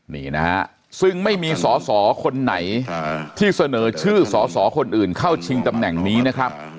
นี่นะฮะซึ่งไม่มีสอสอคนไหนที่เสนอชื่อสอสอคนอื่นเข้าชิงตำแหน่งนี้นะครับ